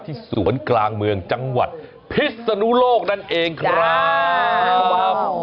ที่สวนกลางเมืองจังหวัดพิศนุโลกนั่นเองครับ